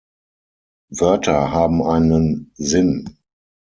Wörter haben einen Sinn.